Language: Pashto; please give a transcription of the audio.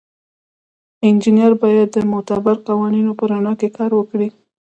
انجینر باید د معتبرو قوانینو په رڼا کې کار وکړي.